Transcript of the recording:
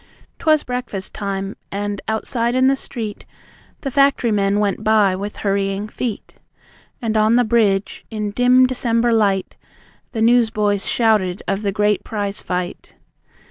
'T'was breakfast time, and outside in the street The factory men went by with hurrying feet. And on the bridge, in dim December light, The newsboys shouted of the great prize fight.